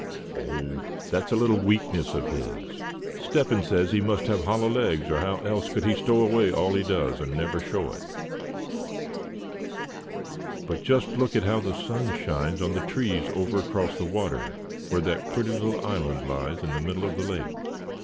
"Oh! that's a little weakness of his. Step hen says he must have hollow legs, or how else could he stow away all he does, and never show it. But just look how the sun shines on the trees over across the water, where that pretty little island lies in the middle of the lake.